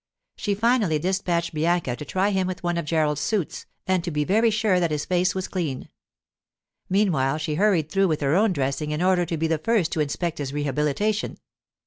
She finally dispatched Bianca to try him with one of Gerald's suits, and to be very sure that his face was clean. Meanwhile she hurried through with her own dressing in order to be the first to inspect his rehabilitation.